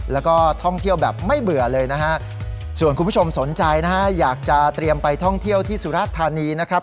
แล้วก็ท่องเที่ยวแบบไม่เบื่อเลยนะฮะส่วนคุณผู้ชมสนใจนะฮะอยากจะเตรียมไปท่องเที่ยวที่สุรธานีนะครับ